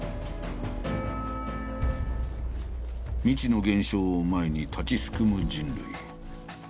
未知の現象を前に立ちすくむ人類。